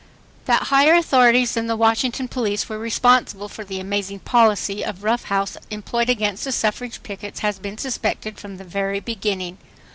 That higher authorities than the Washington police were responsible for the amazing policy of rough house employed against the suffrage pickets has been suspected from the very beginning.